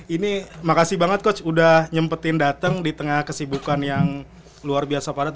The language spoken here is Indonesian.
ini makasih banget coach udah nyempetin dateng di tengah kesibukan yang luar biasa padat